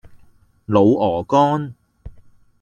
滷鵝肝